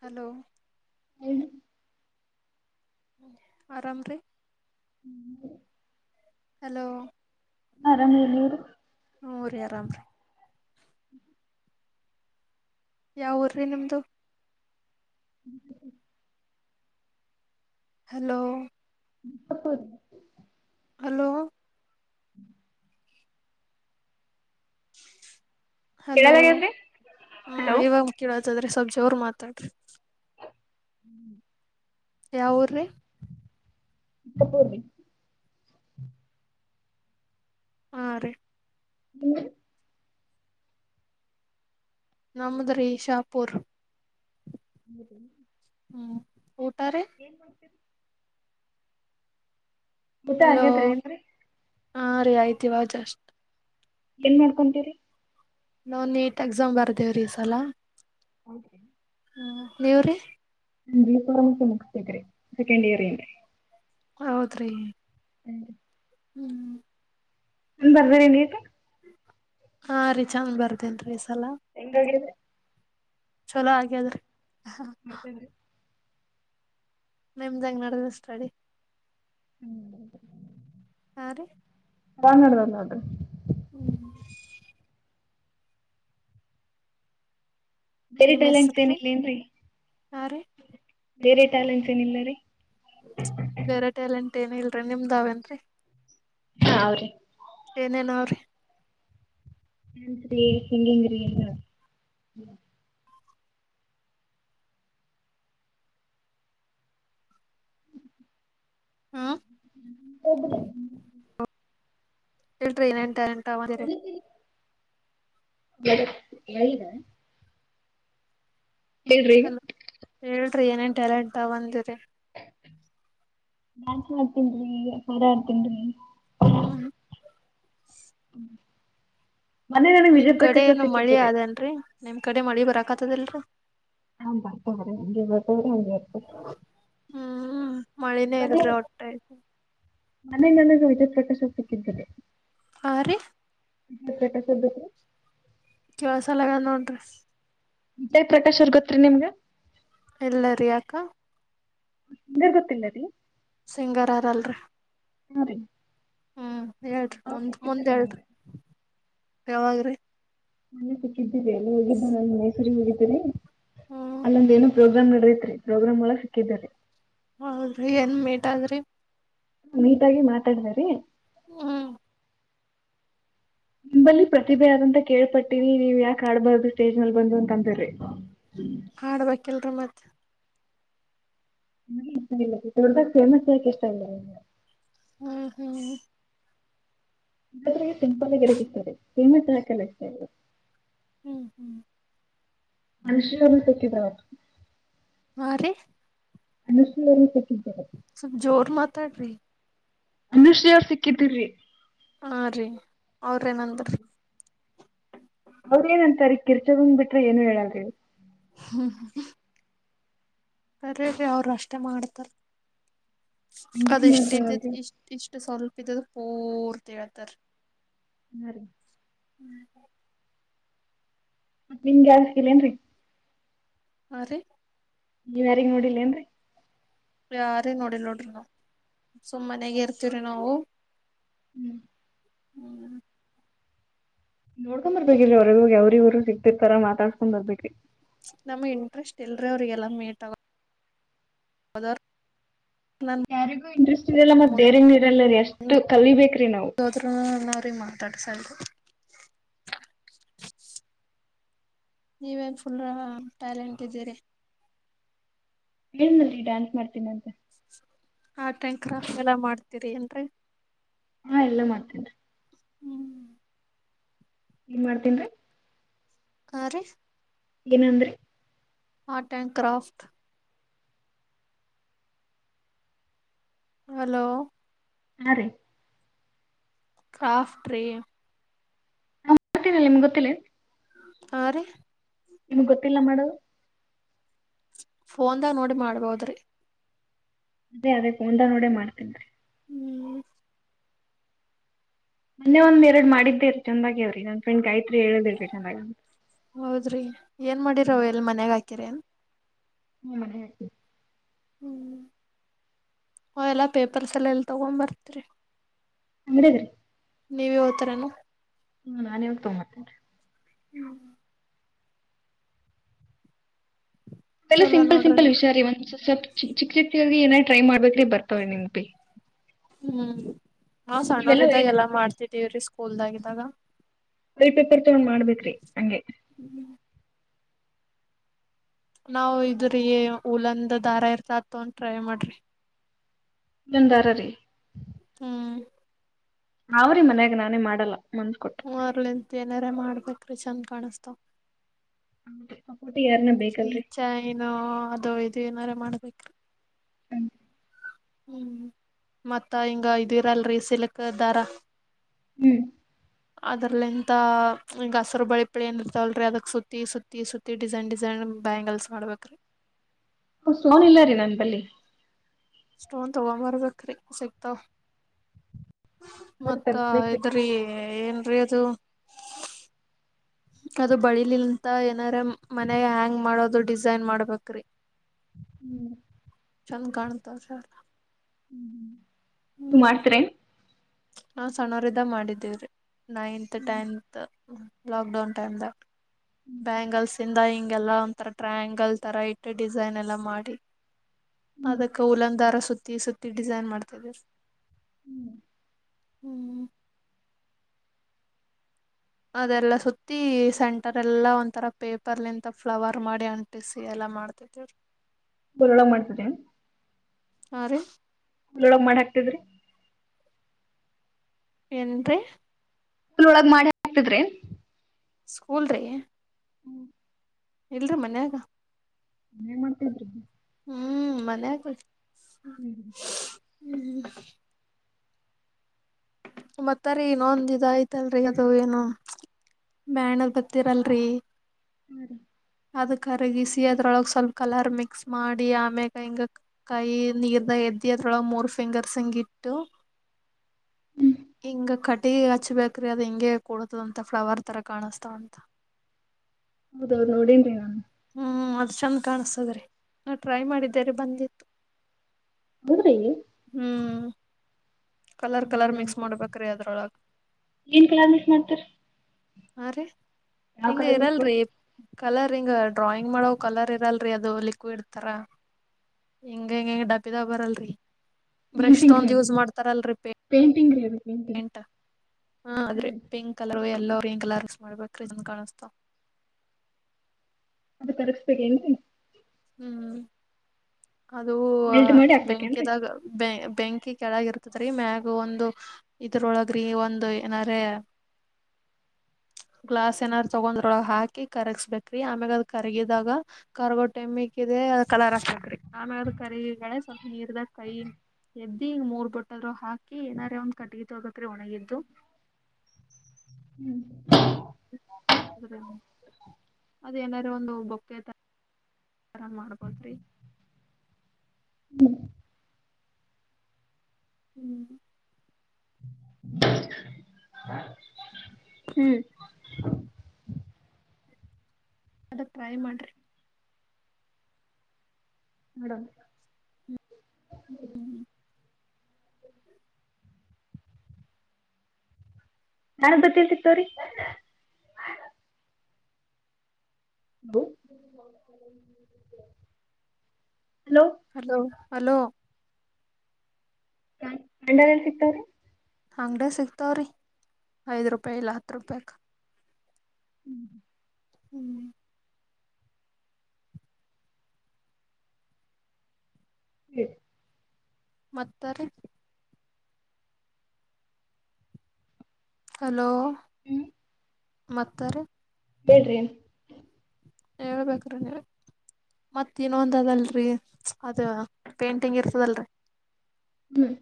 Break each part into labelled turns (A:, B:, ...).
A: Hello
B: ಹೇಳಿ
A: ಆರಾಮ್ ರೀ
B: [unintelligible]
A: ಹಲೋ
B: ಅರಾಮ್ ರೀ ನೀವ್
A: ಹು ರೀ ಆರಾಮ್ ರೀ
B: ಹ್ಮ [unintelligible]
A: ಯಾವ್ ಊರ್ ರೀ ನಿಮ್ದು
B: [unintelligible]
A: ಹಲೋ
B: [unintelligible]
A: ಹಲೋ ಹಲೋ
B: ಕೇಳಲಾಗ್ಯದ್ರಿ
A: ಹ
B: ಹಲೋ
A: ಇವಾಗ್ ಕೇಳತಾದ್ರೀ ಸಲ್ಪ ಜೋರ್ ಮಾತಾಡ್ರಿ.
B: ಹ್ಮ್
A: ಯಾವ ಊರ್ ರೀ
B: [unintelligible]
A: ಹಾ ರೀ
B: ಹ್ಮ
A: ನಮ್ಮದ್ ರೀ ಶಾಪುರ್
B: ಹ್ಮ
A: ಹ್ಮ್ ಊಟ ರೀ
B: ಏನ್ ಮಾಡ್ತೀರಿ ಊಟ
A: ಹಲೋ
B: ಆಗೈತೆ ಏನ್ ರೀ
A: ಹಾ ರೀ ಆಯ್ತು ಇವಾಗ್ ಜಸ್ಟ್
B: ಏನ್ ಮಾಡ್ಕೊಂತೀರೀ
A: ನಾವು ನೀಟ್ ಎಕ್ಸಾಮ್ ಬರ್ದೀವ್ ರೀ ಈ ಸಲ
B: ಹೌ
A: ಹ್ಮ ನೀವ್ ರೀ
B: ಬಿಕಮ್ ಮುಗಸ್ತೀನಿ ರೀ ಸೆಕೆಂಡ್ ಇಯರ್ ಎಂಡ್
A: ಹೌದ್ರಿ
B: [unintelligible]
A: ಹ್ಮ್
B: ಬರ್ದರಿ ನೀಟ್
A: ಹಾ ರೀ ಚಂದ್ ಬರ್ದೇನ್ ರೀ ಈ ಸಲ
B: ಹೆಂಗ ರೀ
A: ಚಲೋ ಹಾಗೆದ್ ರೀ
B: [unintelligible]
A: ನಿಮ್ದ್ ಹೆಂಗ್ ನಡ್ದೈದ್ ಸ್ಟಡಿ
B: [inaudible]
A: ಹಾ ರೀ
B: ರಾಂಗ್ ಅಡ್ಡದಾಗ ನೋಡ್ರಿ
A: ಹ್ಮ್
B: ಬರೀ ಟ್ಯಾಲೆಂಟ್ಸ ಏನ್ ಇಲ್ಲೇ ಏನ್ರಿ
A: ಆ ರೀ
B: ಬೇರೆ ಟ್ಯಾಲೆಂಟ್ಸ್ ಏನಿಲ್ಲ ರೀ
A: ಬೇರೆ ಟ್ಯಾಲೆಂಟ್ ಏನ್ ಇಲ್ಲರೀ ನಿಮ್ದಾವೇನ್ರರಿ
B: ಹ ಅವ್ರೀ
A: ಏನೇನ್ ಅವ್ರಿ
B: ಏನ್ಸರಿ ಹೆಂಗ ಹೆಂಗಿರಿ ಎಂಗ್
A: ಹ್ಮ [inaudible]
B: ಹೋಗರು [unintelligible]
A: ಹೇಳ್ರಿ ಏನಂತಟ [unintelligible]
B: ಕಣ [inaudible] ವನ [unintelligible]
A: ಹಲೋ ಹೇಳ್ರಿ ಏನೇನ್ ಟ್ಯಾಲೆಂಟ್ ಅಂದಿರಿ.
B: ಡಾನ್ಸ್ ಮಾಡ್ತನ್ರಿ, ಹಾಡಆಡ್ತೀನಿ.
A: ಹ್ಮ [inaudible]
B: ಮೊನ್ನೆ ನನಗ್
A: ನಿಮ್
B: ವಿಜಯ
A: ಕಡೆ
B: ಪ್ರಕಾಶ್ ಅವ್ರು
A: ಏನು ಮಳಿ
B: ಸಿಕ್ಕಿದ್ರಿ.
A: ಅದೇನ್ರರಿ ನಿಮ್ ಕಡೆ ಮಳಿ ಬರಾಕತದಲ್ರರಿ.
B: ಹಾ, ಬರ್ತಾವ್ರೀ ಹಂಗೆ ಬರ್ತಾವ್ರ ಹಗೆ ಬರ್ತ
A: ಹ್ಮ್, ಮಳಿನೇ ಇಲ್ರಿ ಹೊಟ್ಟಾ
B: ಮನೆನೆನಗೂ ವಿದತ್ ಪ್ರಕಾಶ ಸಿಕ್ಕಿದ್ದಲ್ಲಿ [unintelligible]
A: ಹಾ, ರಿ
B: ಸಕ ಸುದ್ದತ್ತು [inaudible]
A: ಕೇಳ್ಸಲಾಗದ ನೋಡ್ರಿ,
B: ಜಯ್ ಪ್ರಕಾಶ್ ಅವ್ರ ಗೊತ್ತರಿ ನಿಮ್ಗಾ
A: ಇಲ್ಲರಿ ಯಾಕ್ಕ
B: ತುಂದರ್ ಗೊತ್ತಿಲ್ಲ ರೀ [unintelligible]
A: ಸಿಂಗರ್ಾರಲ್ರಿ [unintelligible]
B: ಹ್ಮ ರೀ [inaudible]
A: ಹ್ಮ್, ಹೇಳ್ರಿ
B: ಅವ್ರ
A: ಮುಂದ್
B: ಸಿಕ್ಕಿದ್ರಿ ನಂಗ.
A: -ಮುಂದ್ಹೇಳ್ರಿ ಯಾವಾಗ್ರಿ. [unintelligible]
B: ಮನ್ನೆ ಸಿಕ್ಕಿದ್ದೀ ಎಲ್ಲಿ ಹೋಗಿದ್ದು ನಾನ ಮೈಸೂರಿಗೆ ಹೋಗಿದ್ದೆ.
A: ಹ್ಮ್
B: - ಅಲ್ಲೊಂದ ಏನು ಪ್ರೋಗ್ರಾಮ್ ನಡೈತ್ರಿ ಪ್ರೋಗ್ರಾಮ್ ಒಳಗ ಸಿಕ್ಕಿದ್ದೆರೆ.
A: ಹೌದ್ರಿ, ಏನ್ ಮಿಟಿದ್ರಿ.
B: ಮಿಟಾಗಿ ಮಾತಾಡ್ದೇರಿ.
A: ಹ್ಮ್,
B: ನಿಂಬಲ್ಲಿ ಪ್ರತಿಭೆ ಆದಂತ ಕೇಳ್ಪಟ್ಟೀವಿ, ನೀವ್ ಯಾಕ ಆಡ್ಬಾರ್ದು ಸ್ಟೇಜ್ ಮೇಲೆ ಬಂದು ಅಂತ ಅಂತರ್ರಿ.
A: ಹಾಡ್ಬೇಕಿಲ್ರಿ ಮತ್
B: ಹ ಇಷ್ಟ ಇಲ್ಲ ದೊಡ್ದಾಗ ಫೇಮಸ್ ಯಾಕೆ ಇಷ್ಟ ಇಲ್ಲ ನಿಗೆ [unintelligible]
A: ಹ್ಮ್ ಹ್ಮ್ [inaudible]
B: ಸಿಂಪಲ್ ಆಗಿ ಇರಕಿಷ್ಟರಿಸೀಮೆಟ್ ಹಾಕಲ್ಲತ [unintelligible] ಇದು
A: ಹ್ಮ್ ಹ್ಮ್ [inaudible]
B: ಮನುಷ್ಯ ಸಿಕ್ಕಿದ್ರ [unintelligible]
A: ಅದ [inaudible]
B: ಅನುಷ್ಟ [unintelligible]
A: ಉತ್ತ ರ [unintelligible]
B: ಮನು ಶ್ರಿ ಅವ್ರ ಸಿಕ್ಕಿದ್ರರಿ.
A: ಹಾ, ರೀ ಅವ್ರೇಏನಂದ್ರಿ.
B: ಅವ್ರ ಏನ್ಂತಾರೆ ಕಿರ್ಚದೋಂದ ಬಿಟ್ರೆ ಏನು ಹೇಳಲ್ರಿ.
A: ಹ್ಮ ಹಾ [unintelligible] [inaudible] ಕರೆಅವರು ಅಷ್ಟೆ ಮಾಡ್ತಾರ.
B: ಹಂಗ್ರಿ
A: ಅದ್ ಇಷ್ಟ ಇದ,
B: ಮಾಡ್ತಾರಲ್ರಿ
A: ಇಷ್ಟ- ಇಷ್ಟು ಸ್ವಲ್ಪ ಇದ ಪೋರ್ತಿ ಹೇಳ್ತಾರಿ.
B: ಹ್ಮ ರೀ [inaudible]
A: ಹ್ಮ್ [unintelligible]
B: ನಿಮಗೆಯಾರಸಿಕ್ಕಿಲೇನ್ರಿ.
A: ಹಾ ರೀ [inaudible]
B: ನೀವ್ ಯಾರಿಗ್ ನೋಡಿಲ ಏನ್ರೀ.
A: ಯಾರಿಗಿ ನೋಡಿಲ್ ನೋಡ್ರಿ ನಾವು ಸುಮ್ಮನೆ ಮನೆಗ ಇರ್ತವ್ರಿ ನಾವು.
B: ಹ್ಮ್ [inaudible]
A: ಹ್ಮ್,
B: ನೋಡ್ಕೊಂಡ್ ಬರ್ಬೇಕಿಲ್ರಿ ಅವ್ರಗೋಗ ಅವ್ರ ಇವರು ಸಿಗ್ತಿರ್ತಾರಾತಾಸ್ಕೊಂಡ್ ಬರ್ಬೇ್ರಿ
A: ನಮ ಇಂಟ್ರೆಸ್ಟ್ ಇಲ್ರ ಅವ್ರಿಗೆಲ್ಲ ಮೇಟ್
B: ಯಾರಿಗೂ ಇಂಟ್ರೆಸ್ಟ್ ಇದೆಲ್ಲ ಮತ್ ಬೇರೆಂಗ ಇರಲ್ಲ ರೀ ಎಷ್ಟು ಕಲ್ಬೇಕ್ರಿ ನಾವು
A: ತಟಸ ನೀವೇನ್ ಫುಲ್ ಟ್ಯಾಲೆಂಟ್ ಇದ್ದೀರಿ
B: ಏನಲ್ಲಿ ಡ್ಯಾನ್ಸ್ ಮಾಡ್ತೀನಿ ಅಂತೆ
A: ಹಾ ಟ್ಯಾಂಕ್ರ ಎಲ್ಲ ಮಾಡ್ತೀರಿ ಏನ್
B: ಹಾ ಎಲ್ಲಾ ಮಾಡ್ತೇನ್
A: ಹ್ಮ್
B: ನ್ ಮಾಡ್ತನ
A: ಆ ರೀ
B: ಏನಂದ್ರಿ
A: ಆರ್ಟ್ ಆಂಡ್ ಕ್ರಾಫ್ಟ ಹಲೋ
B: ಹಾ ರೀ
A: ಕ್ರಾಫ್ಟ ರೇ
B: ನಾ್ ಗೊತ್ತೀನಿಲ್ಲ ನಿಮ್ಗೆ ಗೊತ್ತಿಲ್ಲ
A: ಹಾ ರೀ
B: ನಿಮ್ಗ್ ಗೊತ್ತಿಲ್ಲ ಮಾಡು
A: ಫೋನ್ದಾಗ ನೋಡಿ ಮಾಡ್ಬೋದ್ರಿ
B: ಅದೇ ಅದೇ ಒಂದ ನೋಡ ಮಾಡ್ತನ್
A: ಹ್ಮ್
B: ಮಂದೆ ಒಂದ್ ಎರಡ್ ಮಾಡಿದ್ದೇ ರ ಚಂದಾಗಿ ಅವ್ರಿ ನನ್ ಫ್ರೆಂಡ್ ಗಾಯ್ತ ಎ ಏಳು ತರ್ಬೇಕ
A: ಹೌದ್ರಿ ಏನ್
B: ಹ್ಮ
A: ಮಾಡಿರವ ಎಲ್ ಮನ್ಯಾಗ ಹಾಕಿರೇನ್
B: ಹ್ಮ್ ಮನೆ ಆತ
A: ಹ್ಮ್ ಅವ ಎಲ್ಲಾ ಪೇಪರ್ಸ್ ಎಲ್ಲ ಎಲ್ಲಿ ತಗೊಂಡ್ ಬರ್ತರಿ
B: ಅಂಗಡಿ ಇದ್ರೀ
A: ನೀವಾವತರನು
B: ಹ್ಮ ನಾನ್ ಯವ ತಗೊತೇನ್
A: ಹ್ಮ
B: ಇದೆಲ್ಲ
A: ಚಲೋ
B: ಸಿಂಪಲ್
A: ನೋಡ್ರಿ
B: ಸಿಂಪಲ್
A: ನೀವ್.
B: ವಿಷಾರ ರೀ ಒಂದ ಸ್ವಪ ಚಿಕ್ ಚಿ ಏನಾರ ಟ್ರೈ ಮಾಡ್ಬೇಕ್ರಿ ಬರ್ತವ ನಿನ್ಪಿ
A: ಹ್ಮ್ ನಾವ್ ಸಣ್ಣವರ್ದಾಗ
B: ವೈಟ್
A: ಎಲ್ಲಾ ಮಾಡ್ತಿದ್ದೀವ್ರೀ ಸ್ಕೂಲ್ದಾಗ್ದಾಗ
B: ಬಲ್ ಪೇಪರ್ ತಗೊಂಡ್ ಮಾಡ್ಬೇಕ್ರಿ ಹಂಗೆ
A: ನಾವ್ ಇದ್ರಿ ಹಲಂದ ದಾರ ಇರ್ತ ಆತ ಒನ್ ಟ್ರೈ ಮಾಡ್ರಿ
B: ನಿಂದಾರ ರೀ
A: ಹ್ಮ್
B: ಅವ್ರೀ ಮನ್ಯಾಗ ನಾನೇ ಮಾಡಲ್ಲ ಮಂದ್ ಕೊಟ್ಟು
A: ಮರ್ಲಿಂತ ಏನಾರ ಮಾಡ್ಬೇಕ್ರೀ ಚಂದ ಕಾಣಸ್ತಾವ
B: ಅ
A: ಈ ಚ ಏನ ಅದು ಇದು ಏನಾರು ಮಾಡ್ಬೇಕ ಹ್ಮ್ ಮತ್ತ ಹಿಂಗ ಇದಿರಲ್ರಿ ಸಿಲ್ಕ್ ದಾರ
B: ಹ್ಮ್
A: ಅದ್ರಲಿಂತ ಈಗ ಹಸರು ಬಳಿ ಪಳ ಏನಿರ್ತವಲ್ರರಿ ಅದಕ್ ಸುತ್ತಿ ಸುತ್ತಿ ಸುತ್ತಿ ಡಿಸೈನ್ ಡಿಸೈನ್ ಬ್ಯಾಂಗಲ್ಸ್ ಮಾಡ್ಬೇಕ್ರೀ
B: ಸೋನ್ ಇಲ್ಲ ರೀ ನನ್ ಬಲ್ಲಿಿ
A: ಸ್ಟೋನ್ ತಗೊಂಬರ್ಬೇಕ್ರ ಸಿಗ್ತಾವ
B: ಬರಿ
A: ಮತ್ತ
B: ತರ್ಸ್ಬೇಕ್ರಿ
A: ಇದ್ರಿ ಏನ್ರೀ ಅದು ಅದು ಬಳಿಲಿಂತ ಏನಾರ ಮನೆ ಹ್ಯಾಂಗ್ ಮಾಡೋದು ಡಿಸೈನ್ ಮಾಡ್ಬೇಕ್ರಿ
B: ಹ್ಮ್
A: ಚಲ ಗಾಣತ ಶ
B: ನೀ ಮಾಡ್ತರೇ
A: ನಾವು ಸಣ್ಣವ್ರ ಇದ ಮಾಡಿದೀವ್ರಿ ನೈನ್ತ್
B: ಹ್ಮ್
A: ಟೆಂತ್ ಲಾಕ್ ಡೌನ್ ಟೈಮ್್ದಾಗ ಬ್ಯಾಂಗಲ್ಸ್ ಇಂದ ಹಿಂಗೆಲ್ಲ ಒಂಥರ ಟ್ರಯ್ಯಾಂಗಲ್ ತಥರ ಇಟ್ಟು ಡಿಸೈನ್ ಎಲ್ಲ ಮಾಡಿ.
B: ಹ್ಮ್
A: ಅದಕ್ಕ ಉಲಂದಾರ ಸುತ್ತಿ ಸುತ್ತಿ ಡಿಸೈನ್ ಮಾಡ್ತಿದ್ ಹ್ಮ್ ಅದೆಲ್ಲ ಸುತ್ತಿ ಸೆಂಟರ್ ಎಲ್ಲಾ ಒಂಥರ ಪೇಪರ್ಲಿಂತ ಫ್ಲವರ್ ಮಾಡಿ ಅಂಟಿಸಿ ಎಲ್ಲ. ಮಾಡ್ತಿ [unintelligible]
B: ಉರಳಗ್ ಮಾಡ್ [unintelligible]
A: ಆ ರಿ
B: ಊರ್ ಒಳಗ್ ಮಾಡಕ್ತಿದ್ರಿ
A: ಎನ್ರಿ
B: ಊರ್ ಒಳಗ್ ಮಾಡಿಕ್ತದ್ರಿ
A: ಸ್ಕೂಲ್ ರಿ
B: ಹ್ಮ್
A: ಇಲ್ರಿ ಮನ್ಯಾಗ
B: ಏನ್ ಮಾಡ್ತಿದ್ರಿ.
A: ಹ್ಮ್ ಮನೆ
B: ಹ್ಮ್
A: ಹ್ಮ್ ಮತ್ತರಿ ಇನ್ನೊಂದ್ ಇದ ಆಯ್ತಂದ್ರೆ ಯದೂ ಏನೂ. ಬ್ಯಾನರ್ ಬತ್ತಿರಲ್ ರ್ರಿ
B: [unintelligible]
A: ಅದು ಕರಗಿಸಿ ಅದ್ರೊಳಗೆ ಸ್ವಲ್ಪ ಕಲರ್ ಮಿಕ್ಸ್ ಮಾಡಿ ಆಮೇಕ ಹಿಂಗ ಕೈಯಿ ನೀರ್ದ ಎದ್ದಿ ಅದ್ರೊಳಾಗ್ ಮೂರ್ ಫಿಂಗರ್ಸ್ ಹಿಂಗಿಟ್ಟು. ಹಿಂಗ ಕಟಿ ಹಚ್ಬೇಕ್ರಿ ಅದ್ ಹಿಂಗೆ ಕುಡುತದಂತ ಫ್ಲವರ್ ತರ ಕಾಣಸ್ತಾವಂತ. [unintelligible]
B: ಹೌದೌದು ನೋಡನ್ರಿ ನಾನು.
A: ಹ್ಮ್ ಅದ್ ಚಂದ ಕಾಣಸ್ತದ್ರಿ ನಾ ಟ್ರೈ ಮಾಡಿದ್ದೇರಿ ಬಂದಿತ್ತು.
B: ಹೌದ್ರೀ
A: ಹ್ಮ್ ಕಲರ್ ಕಲರ್ ಮಿಕ್ಸ್ ಮಾಡ್ಬೇಕ್ರೀ ಅದ್ರೊಳಗ್
B: ಎನ್ ಕಲರ್ ಮಿಕ್ಸ್ ಮಾಡ್ತಾರಿ
A: ಹಾ ರೀ ಹಿಂಗ
B: ಮಾಡಿ
A: ಇರಲ್ರಿ ಕಲರ್ ಹಿಂಗ ಡ್ರಾಯಿಂಗ್ ಮಾಡೋ ಕಲರ್ ಇರಲ್ರರಿ ಅದು ಲಿಕ್ವಿಡ್ ತರ. ಹಿಂಗ ಗೆ ಡಬ್ಬಿದ ಬರಲ್ರಿ ಬ್ರಷ್
B: ಪೇಂಟಿಂಗ್ ರೀ
A: ತೊಂದ್
B: ಅದು
A: ಯೂಸ್ ಮಾಡ್ತ [unintelligible]
B: ಪೇಂಟಿಂಗ್ ರೀ ಅದು ಪೇಂಟಿಂಗ್
A: ಪೇಂಟ್ ಹ
B: ಹಾ
A: ಅದ್ರಿ
B: ರೀ
A: ಪಿಂಕ್ ಕಲರ್ ಎಲ್ಲೋ. ಪಿಂಕ್ ಕಲರ್ಸ್ ಮಾಡ್ಬೇಕ್ರೀ ಇದನ್ ಕಾಣಿಸ್ತ
B: ಅದು ತರಸ್ಬೇಕೆನ್ರಿ
A: ಹ್ಮ್ ಅದು
B: ಮೆಲ್ಟ್ ಮಾಡಿ ಹಾಕ್ಬೇಕೇನ್ರಿ
A: ಬೆಂಕಿದಾಗ ಬೆ ಬೆಂಕಿ ಕೆಳಗ್ ಇರ್ತದ್ ರೀ ಮ್ಯಾಗ್ ಒಂದು ಇದ್ರೊಳಗ್ರಿ ಒಂದು ಏನಾರ. [unintelligible] ಗ್ಲಾಸ್ ಏನಾದಾರರು ತೊಗೊಂಡ್ರೊಳಗೆ ಹಾಕಿ ಕರಗಸ್ಬೇಕ್ರಿ ಆಮ್ಯಾಗ್ ಅದ್ ಕರಗಿದಾಗ ಕರ್ಗ ಟಮ್ಮಿಕ್ಕ ಇದೆ ಅದ ಕಲರ್ ಹಾಕ್ಬಡ್ರಿ ಆಮೇ ಕರಿಗಳ ಸ್ವಲ್ಪ ನೀರ್ದಾಗ ಕೈ ಎದ್ದಿ ಹಿಂಗ ಮೂರ್ ಬೊಟ್ಟದ್ರು ಹಾಕಿ ಏನಾರ ಒಂದ ಕಟ್ಗಿ ತೊಗಬಿಕ್ರಿ ಒಣಗಿದ್ದು. [inaudible]
B: ಹ್ಮ್
A: ಅದೇನಾರ ಒಂದು ಬೊಕ್ಕೆತ ಆರಾಮ್ ಮಾಡ್ಬೋದ್ರಿ, ಹ್ಮ್
B: ಹ್ಮ್
A: ಅದಕ್ ಟ್ರೈ ಮಾಡ್ರಿ
B: ಮಾಡ ನ
A: ಹ್ಮ್
B: ನಾನ ಗೊತ್ತಲ್ತಿತ್ತವ್ರಿ ಲೋ
A: ಹಲೋ ಹಲೋ
B: ಹ ಮಂಡಾರ್ ಎಲ್ ಸಿಕ್ತವ್ರೀ
A: ಅಂಗಡ ಸಿಕ್ತಾವ್ರಿ ಐದ್ ರೂಪಾಯಿ ಇಲ್ಲ ಹತ್ ರೂಪಾಯಕ್
B: ಹ್ಮ್
A: ಹ್ಮ್
B: ಹ್ಮ
A: ಮತ್ತಾರೆ ಹಲೋ
B: ಹ್ಮ್
A: ಮಕ್ಕ
B: ಹೇಳ್ರಿ
A: ಹೇಳ್ಬೇಕ್ರೀ ನೀ ಮತ್ತ ಇನೊಂದ ಅದಲ್ರಿ ಅದ ಪೇಂಟಿಂಗ್ ಇರ್ತದಲ್ರಿ
B: ಹ್ಮ್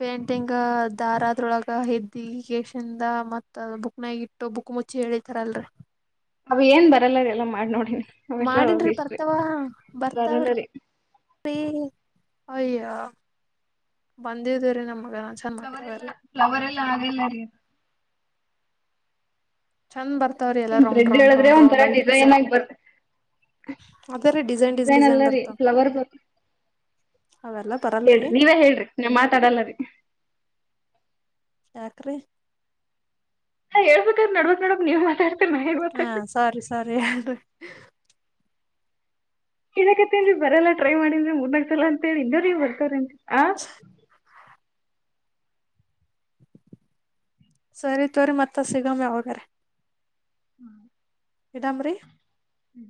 A: ಪೇಂಟಿಂಗ್ ದಾರದೊಳಗ ಎದ್ದ ಗೇಶಂದ ಮತ್ತ ಬುಕ್ನಾಗ ಇಟ್ಟು ಬುಕ್ ಮುಚ್ಚಿ ಹೇಳಿತಾರಲ್ರಿ
B: ಅವ ಏನ್ ಬರಲ್ಲರಿ ಎಲ್ಲಾ ಮಾಡ್ ನೋಡಿ ಅವ ಎಸ್
A: ಮಾಡಿನ್ರಿ
B: ರೋಗಷ್ಟ್ರವಿ
A: ಬರ್ತಾವ
B: ಬರಲ್ಲರಿೀ
A: ರಿ ಅಯ್ಯ ಬಂದಿದ್ದೇರಿೀ ನಮ್ಮ
B: ಫ್ಲವ ಎಲ್ಲ ಫ್ಲವರ್ ಎಲ್ಲ ಆ
A: ಚಂದ್ ಬರ್ತಾವ್ರಿ ಎಲ್ಲ
B: ಒಂದ
A: ರೌಂಡ್
B: ಥ್ರೆಡ್
A: ರೌಂಡ್
B: ಹೇಳಿದ್ರೆ
A: ರೌಂಡ್ ರೌಂಡ್
B: ಒಂಥರಾ
A: ಆಗಿ
B: ಡಿಸೈನ್ ಆಗಿ ಬರ್ತೆ ಡಿಸೈನ್ ಎಲ್ಲ ರೀ ಫ್ಲವರ್ ಬ
A: ಅವೆಲ್ಲಾ ಬರಲ್ರಿ
B: ಹೇಳ್ರಿ ನೀವೇ ಹೇಳ್ರಿ ನೀ ಮಾತಾಡಲ್ಲ ರೀ
A: ಚಾಕರಿ
B: ಹೇಬೇಕಾದ್ರ ನಡಬಕ್ ನಡಕ್ ನೀವು ಮಾತಾ
A: ಹಾ ಸಾರಿ ಸಾರಿ ಅು
B: ಇಕತ್ತೇನ್ೀ ಬರಲ್ಲ ಟ್ರೈ ಮಾಡಿದ್ರಿ ಮೂರ್ನಾಡ್ ಸಲ ಅಂತ ಹೇಳಿ ಇಂದವ್ರರಿಗೆ ಬರ್ತಾರಂತೆರಿ
A: [inaudible] ಸರಿ ತೋರಿ ಮತ್ತ ಸಿಗಮ್ಮಿ ಅವಾಗಾರ
B: ಹ್ಮ್
A: ಇಡಾಮರಿ
B: ಹ್ಮ್